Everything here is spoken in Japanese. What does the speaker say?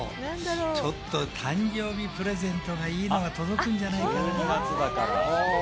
ちょっと誕生日プレゼント、いいのが届くんじゃないかな。